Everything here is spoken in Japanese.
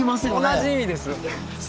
同じ意味です。